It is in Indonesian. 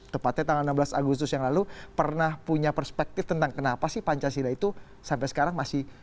tepatnya tanggal enam belas agustus yang lalu pernah punya perspektif tentang kenapa sih pancasila itu sampai sekarang masih